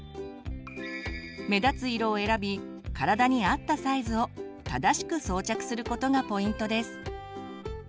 目立つ色を選び体に合ったサイズを正しく装着することがポイントです。